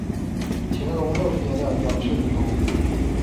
乾隆六十年的转世灵童。